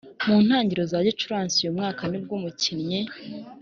Mu ntangiriro za Gicurasi uyu mwaka nibwo umukinnyi